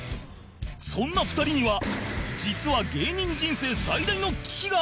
そんな２人には実は芸人人生最大の危機があったという